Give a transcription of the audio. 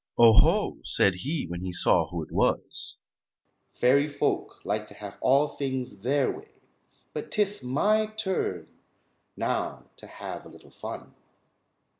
"Oh, ho!" said he when he saw who it was. "Fairy folk like to have all things their way, but 'tis my turn now to have a little fun."